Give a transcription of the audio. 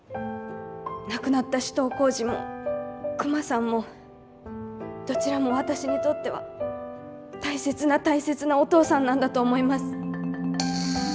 亡くなった首藤幸次もクマさんもどちらも私にとっては大切な大切なお父さんなんだと思います。